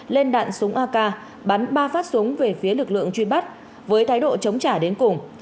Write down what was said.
lên đạn súng ak bắn ba phát súng về phía lực lượng truy bắt với thái độ chống trả đến cùng